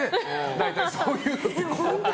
大体そういうの。